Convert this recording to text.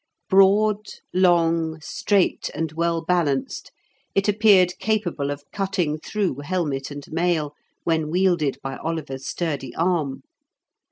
Broad, long, straight, and well balanced, it appeared capable of cutting through helmet and mail, when wielded by Oliver's sturdy arm.